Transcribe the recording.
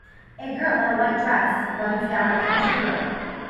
A girl in a white dress runs down a country road.